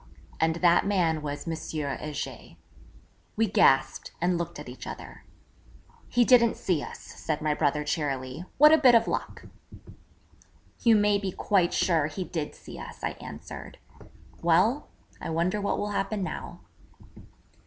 And that man was M. Heger. We gasped, and looked at each other. 'He didn't see us,' said my brother cheerily. 'What a bit of luck!' 'You may be quite sure he did see us,' I answered. 'Well, I wonder what will happen now?'